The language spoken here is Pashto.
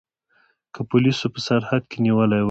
که پولیسو په سرحد کې نیولي وای.